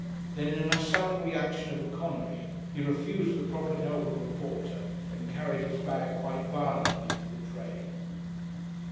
Then in a sudden reaction of economy he refused the proffered help of a porter and carried his bag quite violently to the train.